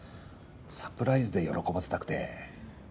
サプライズで喜ばせたくて。